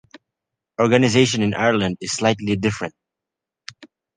Organisation in Ireland is slightly different.